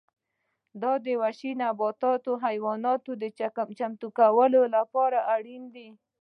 دا د وحشي نباتاتو او حیواناتو چمتو کولو لپاره اړین دي